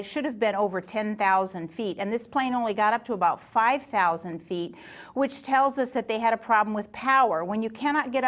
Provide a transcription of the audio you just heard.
itu menunjukkan bahwa pesawat itu tidak mendapatkan kekuatan dan mungkin dalam menyerangnya